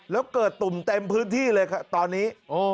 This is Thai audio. แล้วเกิดตุ่มเต็มพื้นที่เลยค่ะตอนนี้